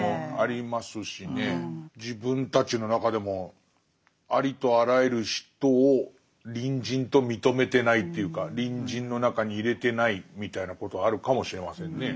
自分たちの中でもありとあらゆる人を隣人と認めてないというか隣人の中に入れてないみたいなことあるかもしれませんね。